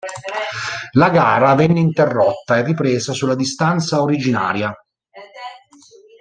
La gara venne interrotta e ripresa sulla distanza originaria.